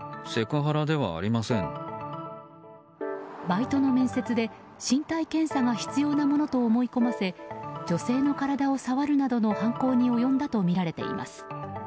バイトの面接で身体検査が必要なものと思い込ませ女性の体を触るなどの犯行に及んだとみられています。